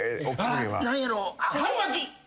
何やろう。